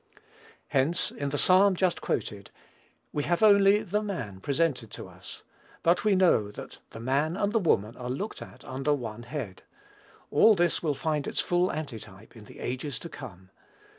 Hence, in the Psalm just quoted, we have only "the man" presented to us; but we know that the man and the woman are looked at under one head. All this will find its full antitype in the ages to come.